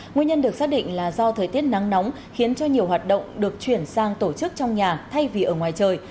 nguyên nhân được xác định là do thời tiết nắng nóng khiến cho nhiều hoạt động được chuyển sang tổ chức trong nhà thay vì ở ngoài trời